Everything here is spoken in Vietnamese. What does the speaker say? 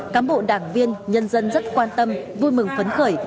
cám bộ đảng viên nhân dân rất quan tâm vui mừng phấn khởi